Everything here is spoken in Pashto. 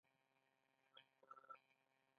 ناسم کیمیاوي مواد وېښتيان خرابوي.